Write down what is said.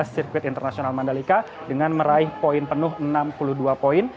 sirkuit internasional mandalika dengan meraih poin penuh enam puluh dua poin